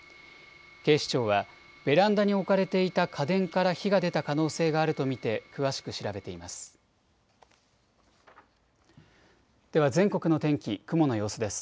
警視庁はベランダに置かれていた家電から火が出た可能性があると見て詳しく調べています。